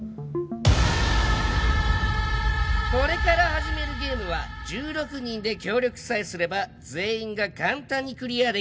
これから始めるゲームは１６人で協力さえすれば全員が簡単にクリアできるんだよ。